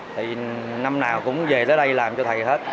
thì năm nào cũng về tới đây làm cho thầy hết